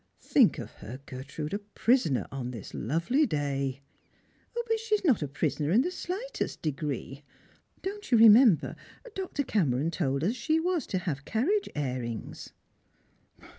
Think of her, Gertrude, a prisoner on this lovely day !"" But she is not a prisoner in the shghtest degree. Don't you remember Dr. Cameron told us she was to have carriage airings